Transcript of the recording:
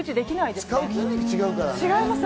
使う筋肉違うからね。